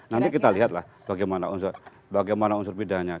nanti kita lihat lah bagaimana unsur bedanya